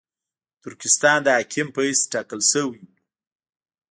ترکستان د حاکم په حیث ټاکل شوی وو.